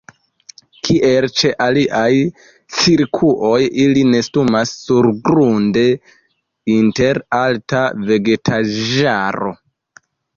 Kiel ĉe aliaj cirkuoj ili nestumas surgrunde inter alta vegetaĵaro.